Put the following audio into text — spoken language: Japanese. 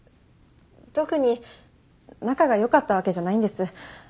特に仲が良かったわけじゃないんです。